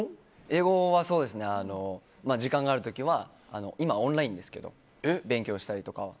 英語は、時間がある時は今はオンラインですけど勉強したりとかは。